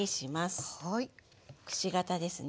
くし形ですね。